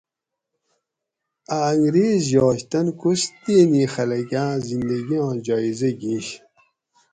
اۤ انگریز یاش تن کوہستینی خلکاں زندگیاں جایٔزہ گِینش